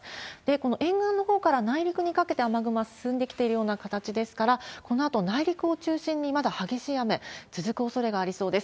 この沿岸のほうから内陸にかけて、雨雲は進んできているような形ですから、このあと内陸を中心にまだ激しい雨続くおそれがありそうです。